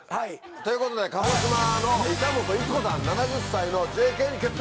ということで鹿児島の板元逸子さん「７０歳のＪＫ」に決定！